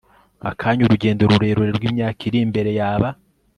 akanya urugendo rurerure rwimyaka iri imbere yaba